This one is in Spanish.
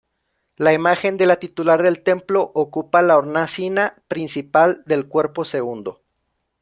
La imagen de la titular del templo ocupa la hornacina principal del cuerpo segundo.